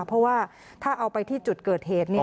เพราะว่าถ้าเอาไปที่จุดเกิดเหตุ